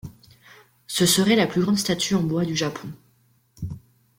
Ce serait la plus grande statue en bois du Japon.